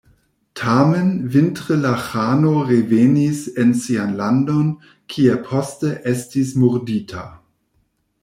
Tamen vintre la ĥano revenis en sian landon, kie poste estis murdita.